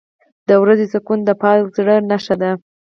• د ورځې سکون د پاک زړه نښه ده.